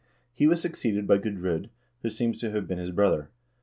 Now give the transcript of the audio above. He was succeeded by Gudr0d, who seems to have been his brother.